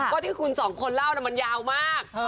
ก็ที่คุณสองคนเล่ามันยาวมาก